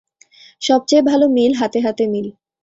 সব চেয়ে ভালো মিল হাতে হাতে মিল।